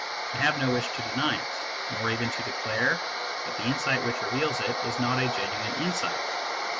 I have no wish to deny it, nor even to declare that the insight which reveals it is not a genuine insight.